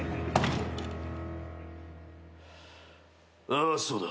ああそうだ。